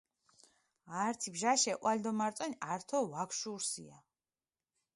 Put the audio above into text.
ართი ბჟაშე ჸვალი დო მარწვენი ართო ვაგშუურსია